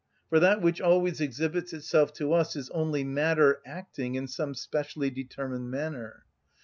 For that which always exhibits itself to us is only matter acting in some specially determined manner.